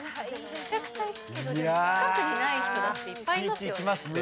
めちゃくちゃ行くけど近くにない人だっていっぱいいますよね。